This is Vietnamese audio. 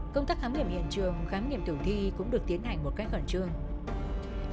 công tác khám nghiệm hiện trường khám nghiệm thử thi cũng được tiến hành